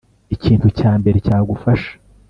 ikintu cya mbere cyagufasha